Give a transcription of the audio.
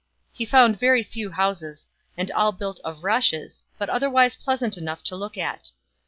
He found very few houses, and all built of rushe .>, but otherwise pleasant enough to look at.